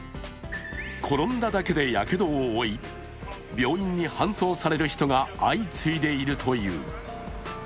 転んだだけでやけどを負い、病院に搬送される人が相次いでいるという。